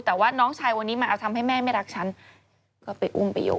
แต่ว่าน้องชายวันนี้มาเอาทำให้แม่ไม่รักฉันก็ไปอุ้มประโยชน